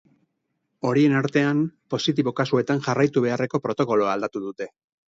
Horien artean, positibo kasuetan jarraitu beharreko protokoloa aldatu dute.